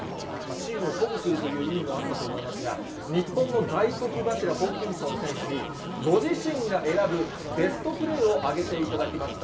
チームを鼓舞するという意味もあったと思いますが、日本の大黒柱、ホーキンソン選手にご自身が選ぶベストプレーを挙げていただきました。